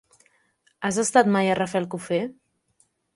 Has estat mai a Rafelcofer?